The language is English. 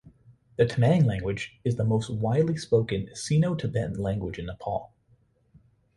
The Tamang language is the most widely spoken Sino-Tibetan language in Nepal.